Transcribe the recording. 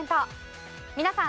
皆さん